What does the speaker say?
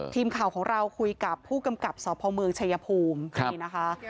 ทีมข่าวของเราคุยกับผู้กำกับสพเมืองชายภูมินี่นะคะ